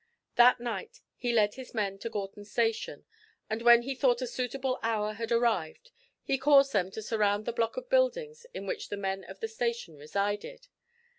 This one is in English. That night he led his men to Gorton station, and when he thought a suitable hour had arrived, he caused them to surround the block of buildings in which the men of the station resided.